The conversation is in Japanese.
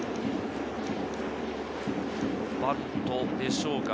バントでしょうか？